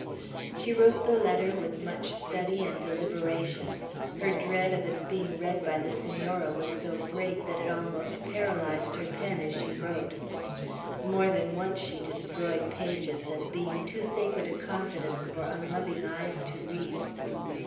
She wrote the letter with much study and deliberation; her dread of its being read by the Senora was so great, that it almost paralyzed her pen as she wrote. More than once she destroyed pages, as being too sacred a confidence for unloving eyes to read.